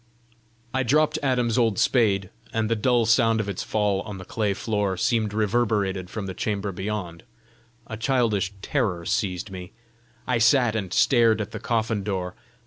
I dropped Adam's old spade, and the dull sound of its fall on the clay floor seemed reverberated from the chamber beyond: a childish terror seized me; I sat and stared at the coffin door.